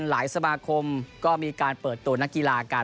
สมาคมก็มีการเปิดตัวนักกีฬากัน